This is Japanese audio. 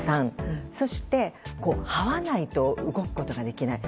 そしてはわないと動くことができない。